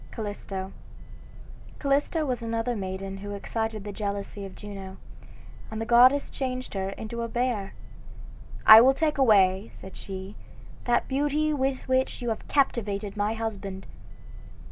CALLISTO Callisto was another maiden who excited the jealousy of Juno, and the goddess changed her into a bear. "I will take away," said she, "that beauty with which you have captivated my husband."